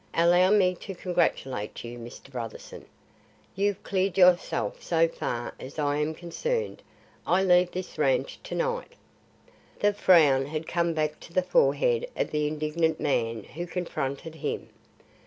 Allow me to congratulate you, Mr. Brotherson. You've cleared yourself so far as I am concerned. I leave this ranch to night." The frown had come back to the forehead of the indignant man who confronted him.